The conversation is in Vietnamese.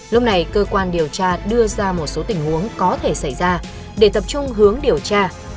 lúc này cơ quan điều tra đưa ra một số tình huống có thể xảy ra để tập trung hướng điều tra